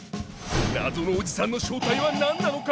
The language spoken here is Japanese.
謎のおじさんの正体は何なのか！？